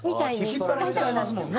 引っ張られちゃいますもんね。